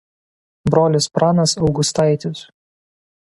Brolis Pranas Augustaitis.